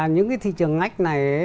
những cái thị trường ngách này